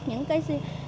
những cái gì